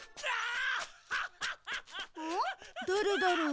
だれだろう？